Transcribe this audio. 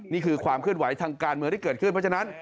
นี่คือความเคลื่อนไหวทางการเมืองที่เกิดขึ้นเพราะฉะนั้น